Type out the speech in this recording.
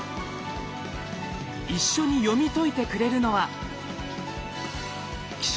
一緒に読み解いてくれるのは。